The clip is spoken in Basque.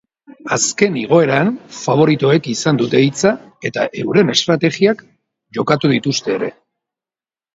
Azken igoeran faboritoek izan dute hitza eta euren estrategiak jokatu dituzte ere.